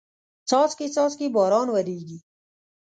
څاڅکي څاڅکي باران وریږي